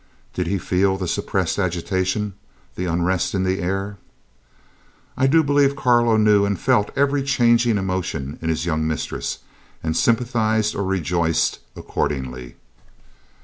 Did he feel the suppressed agitation, the unrest in the air? I do believe Carlo knew and felt every changing emotion in his young mistress, and sympathised or rejoiced accordingly.